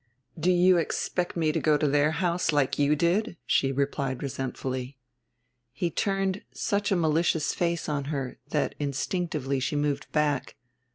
"Do you expect me to go to their house, like you did?" she replied resentfully. He turned such a malicious face on her that instinctively she moved back.